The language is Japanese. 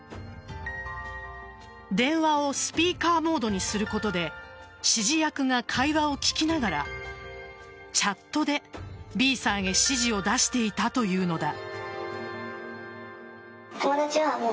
電話をスピーカーモードにすることで指示役が会話を聞きながらチャットでＢさんへ指示を出していたというのだ。